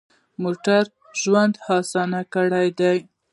موټر ژوند اسان کړی دی.